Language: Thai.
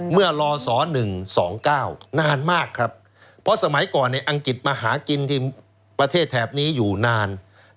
เมื่อลศ๑๒๙นานมากครับเพราะสมัยก่อนในอังกฤษมาหากินที่ประเทศแถบนี้อยู่นาน